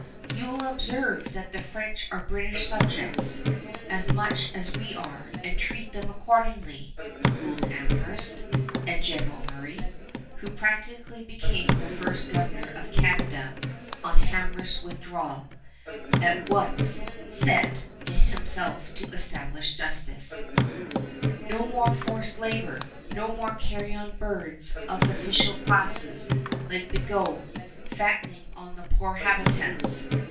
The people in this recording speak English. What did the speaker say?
"You will observe that the French are British subjects as much as we are, and treat them accordingly," ruled Amherst; and General Murray, who practically became the first governor of Canada on Amherst's withdrawal, at once set himself to establish justice. [Illustration: MAJOR ROBERT ROGERS] No more forced labor! No more carrion birds of the official classes, like Bigot, fattening on the poor habitants!